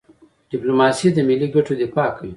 ډيپلوماسي د ملي ګټو دفاع کوي.